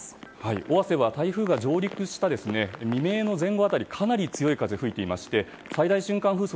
尾鷲は台風が上陸した未明の前後辺りかなり強い風が吹いていまして最大瞬間風速